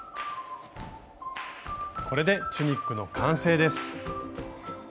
これでチュニックの完成です。